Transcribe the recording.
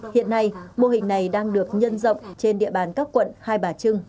hiện nay mô hình này đang được nhân rộng trên địa bàn các quận hai bà trưng